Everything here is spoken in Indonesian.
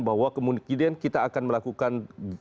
bahwa kemudian kita akan melakukan